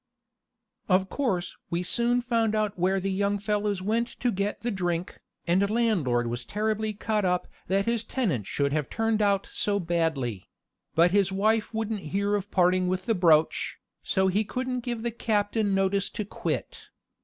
Of course we soon found out where the young fellows went to get the drink, and landlord was terribly cut up that his tenant should have turned out so badly; but his wife wouldn't hear of parting with the brooch, so he couldn't give the captain notice to quit.